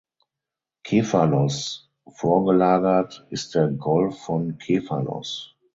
Kefalos vorgelagert ist der Golf von Kefalos.